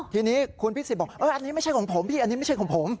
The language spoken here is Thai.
ทีนี้คุณพิสิทธิ์บอกอันนี้ไม่ใช่ของผมพี่อันนี้ไม่ใช่ของผม